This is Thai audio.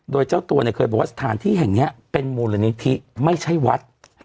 โดยเจ้าตัวเนี่ยเคยบอกว่าสถานที่แห่งนี้เป็นมูลนิธิไม่ใช่วัด